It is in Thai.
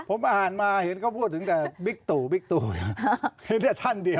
ผมอ่านมาเห็นก็พูดถึงแกบิ๊กตู่บิ๊กตู้แค่เท่าเนี้ยท่านเดียว